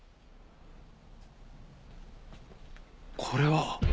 これは？